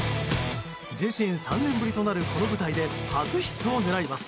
自身３年ぶりとなるこの舞台で初ヒットを狙います。